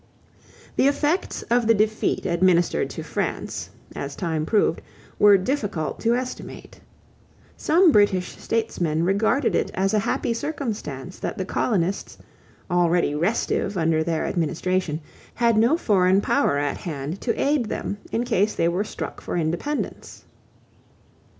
= The effects of the defeat administered to France, as time proved, were difficult to estimate. Some British statesmen regarded it as a happy circumstance that the colonists, already restive under their administration, had no foreign power at hand to aid them in case they struck for independence.